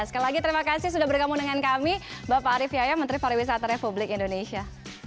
sekali lagi terima kasih sudah bergabung dengan kami bapak arief yaya menteri pariwisata republik indonesia